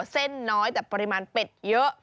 เส้นน้อยแต่ปริมาณเป็ดเยอะ